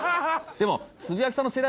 でも。